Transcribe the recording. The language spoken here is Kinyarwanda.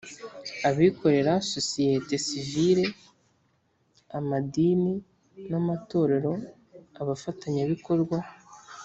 Abikorera sosiyete sivile amadini n amatorero abafatanyabikorwa